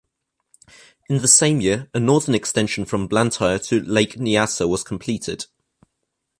In the same year, a northern extension from Blantyre to Lake Nyasa was completed.